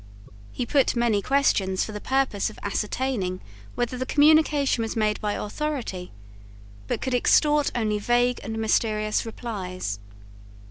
He put many questions for the purpose of ascertaining whether the communication was made by authority, but could extort only vague and mysterious replies.